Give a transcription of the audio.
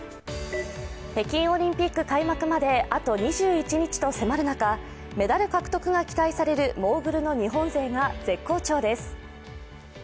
北京オリンピック開幕まであと２１日と迫る中、メダル獲得が期待されるモーグルの日本勢が絶好調です。